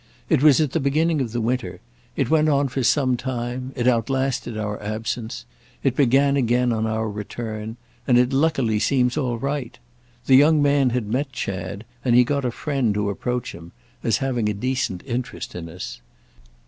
It was at the beginning of the winter; it went on for some time; it outlasted our absence; it began again on our return; and it luckily seems all right. The young man had met Chad, and he got a friend to approach him—as having a decent interest in us.